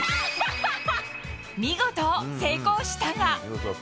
見事成功したが。